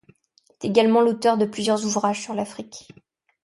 Il est également l'auteur de plusieurs ouvrages sur l'Afrique.